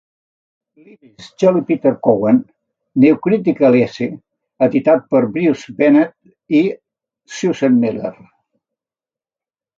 Lewis, Julie "Peter Cowan: New Critical Essays", editat per Bruce Bennett i Susan Miller.